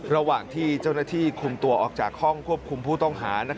ระหว่างที่เจ้าหน้าที่คุมตัวออกจากห้องควบคุมผู้ต้องหา